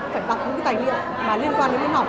phải đặt những cái tài liệu liên quan đến môn học